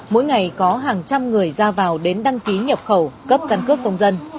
mỗi ngày có hàng trăm người ra vào đến đăng ký nhập khẩu cấp căn cước công dân